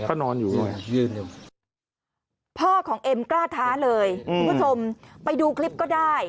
พ่อของเอ็มกล้าท้าเลยคุณผู้ชมไปดูคลิปก็ได้